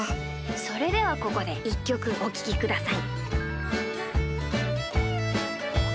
それではここで１きょくおききください。